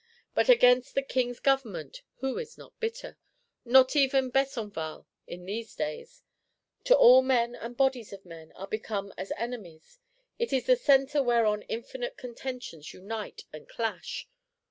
But against the King's Government who is not bitter? Not even Besenval, in these days. To it all men and bodies of men are become as enemies; it is the centre whereon infinite contentions unite and clash.